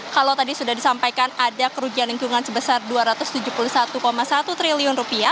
kalau tadi sudah disampaikan ada kerugian lingkungan sebesar rp dua ratus tujuh puluh satu satu triliun